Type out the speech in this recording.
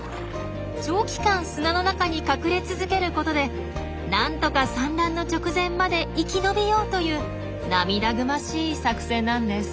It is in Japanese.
長期間砂の中に隠れ続けることで何とか産卵の直前まで生き延びようという涙ぐましい作戦なんです。